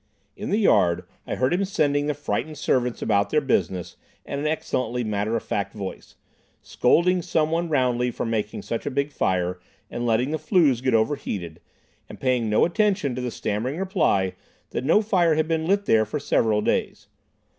In the yard I heard him sending the frightened servants about their business in an excellently matter of fact voice, scolding some one roundly for making such a big fire and letting the flues get over heated, and paying no heed to the stammering reply that no fire had been lit there for several days.